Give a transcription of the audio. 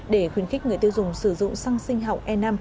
để khuyến khích người tiêu dùng sử dụng săng sinh học e năm